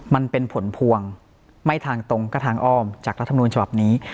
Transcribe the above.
มันเป็นผลพวงไม่ทางตรงก็ทางอ้อมจากรัฐมนูลฉบับนี้